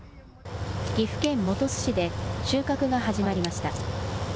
岐阜県本巣市で収穫が始まりました。